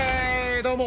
どうも。